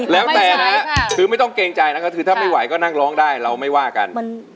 แล้วแต่นะคือไม่ต้องเกรงใจนะครับคือถ้าไม่ไหวก็นั่งร้องได้เราไม่ว่ากัน